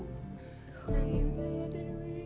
aku ingin beri dewi